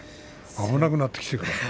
危なくなってきてから。